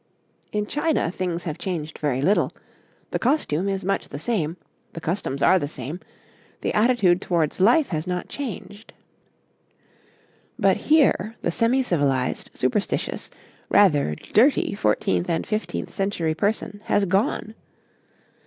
In China things have changed very little: the costume is much the same, the customs are the same, the attitude towards life has not changed. But here the semicivilized, superstitious, rather dirty, fourteenth and fifteenth century person has gone.